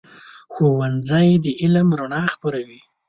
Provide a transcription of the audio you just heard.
ښوونځی د علم رڼا خپروي.